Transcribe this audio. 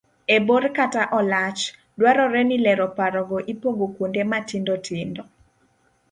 e bor kata olach, dwarore ni lero paro go ipogo kuonde matindo tindo